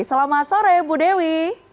selamat sore bu dewi